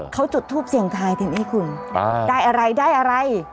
เขาจุดทูบเชียงไทยเต็มให้คนอ่าได้อะไรได้อะไรอ๋อ